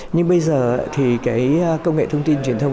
nhưng bây giờ thì cái công nghệ thông tin truyền thông